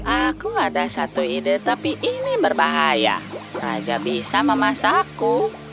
aku ada satu ide tapi ini berbahaya raja bisa memasakku